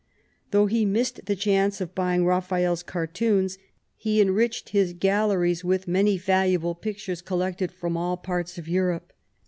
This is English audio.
Though he missed the chance of buying Raphael's cartoons, he enriched his galleries with many valuable pictures collected from all parts of Europe.